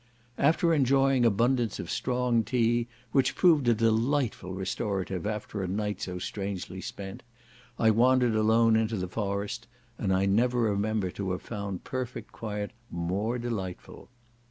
After enjoying abundance of strong tea, which proved a delightful restorative after a night so strangely spent, I wandered alone into the forest, and I never remember to have found perfect quiet more delightful.